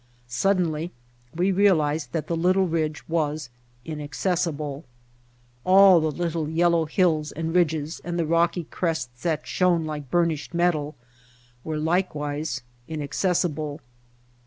Sud denly we realized that the little ridge was inac cessible; all the little yellow hills and ridges, and the rocky crests that shone like burnished metal, were likewise inaccessible.